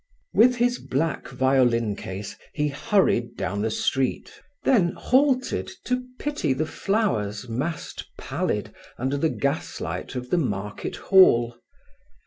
With his black violin case he hurried down the street, then halted to pity the flowers massed pallid under the gaslight of the market hall.